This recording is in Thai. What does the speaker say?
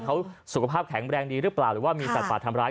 เขาสุขภาพแข็งแรงดีหรือเปล่าหรือว่ามีสัตว์ป่าทำร้าย